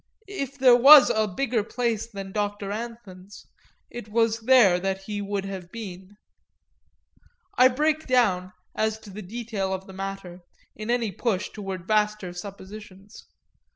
If there was a bigger place than Doctor Anthon's it was there he would have been. I break down, as to the detail of the matter, in any push toward vaster suppositions.